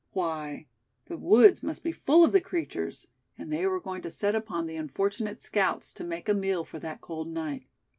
Why, the woods must be full of the creatures, and they were going to set upon the unfortunate scouts, to make a meal for that cold night.